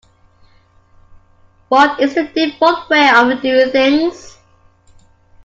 What is the default way of doing things?